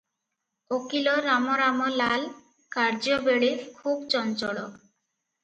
ଓକିଲ ରାମ ରାମ ଲାଲ କାର୍ଯ୍ୟବେଳେ ଖୁବ୍ ଚଞ୍ଚଳ ।